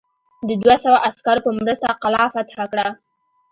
د دوه سوه عسکرو په مرسته قلا فتح کړه.